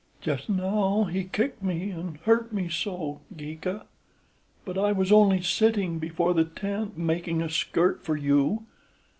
Just now he kicked me and hurt me so, Geeka; but I was only sitting before the tent making a skirt for you.